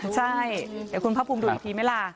ใช่เดี๋ยวคุณภาคภูมิดูอีกทีไหมล่ะ